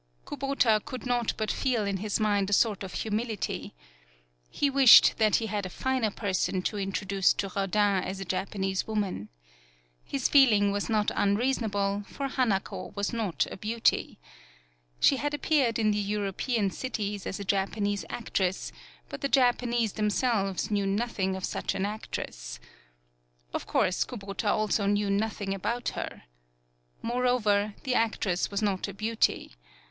Kubota could not but feel in his mind a sort of humility. He wished that he had a finer person to introduce to Rodin as a Japanese woman. His feeling was 41 PAULOWNIA not unreasonable, for Hanako was not a beauty. She had appeared in the European cities as a Japanese actress, but the Japanese themselves knew nothing of such an actress. Of course, Kubota also knew nothing about her. Moreover, the actress was not a beauty.